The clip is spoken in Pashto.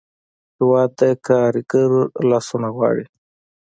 هېواد د کارګر لاسونه غواړي.